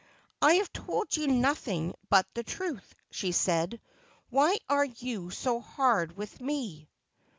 ' I have told you nothing but the truth,' she said. ' Why are you so hard with me